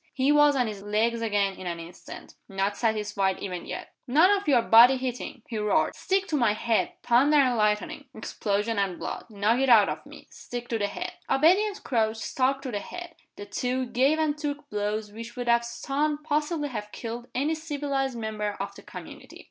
He was on his legs again in an instant not satisfied even yet. "None of your body hitting!" he roared. "Stick to my head. Thunder and lightning! explosion and blood! Knock it out of me! Stick to the head!" Obedient Crouch stuck to the head. The two gave and took blows which would have stunned possibly have killed any civilized member of the community.